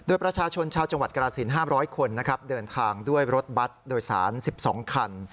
ด้วยประชาชนชาวจังหวัดกราศิลป์ห้ามร้อยคนนะครับเดินทางด้วยรถบัตรโดยศาลสิบสองคัน